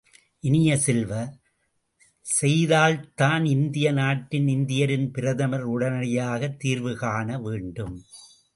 இனிய செல்வ, செய்தால்தான் இந்திய நாட்டின் இந்தியரின் பிரதமர், உடனடியாகத் தீர்வு காணவேண்டும்.